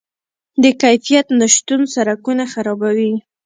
د کیفیت نشتون سرکونه خرابوي.